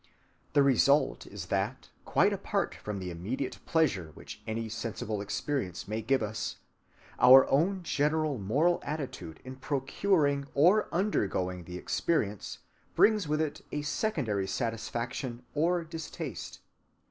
The result is that, quite apart from the immediate pleasure which any sensible experience may give us, our own general moral attitude in procuring or undergoing the experience brings with it a secondary satisfaction or distaste.